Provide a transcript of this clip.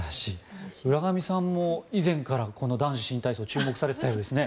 浦上さんも以前からこの男子新体操に注目されていたようですね。